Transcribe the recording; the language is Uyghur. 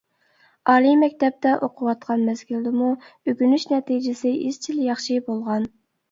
ئالىي مەكتەپتە ئوقۇۋاتقان مەزگىلدىمۇ ئۆگىنىش نەتىجىسى ئىزچىل ياخشى بولغان.